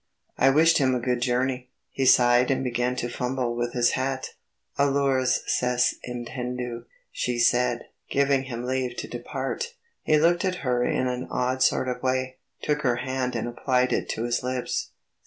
I wished him a good journey; he sighed and began to fumble with his hat. "Alors, c'est entendu," she said; giving him leave to depart. He looked at her in an odd sort of way, took her hand and applied it to his lips.